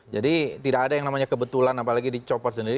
jadi tidak ada yang namanya kebetulan apalagi dicopot sendiri